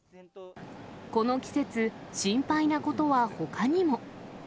この季節、心配なことはほかにも。